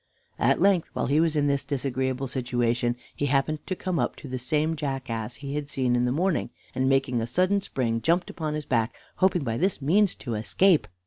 At length, while he was in this disagreeable situation, he happened to come up to the same jackass he had seen in the morning, and, making a sudden spring, jumped upon his back, hoping by this means to escape.